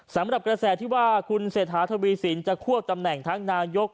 สำหรับกระแสที่ว่าคุณเศรษฐาทวีสินจะควบตำแหน่งทั้งนายก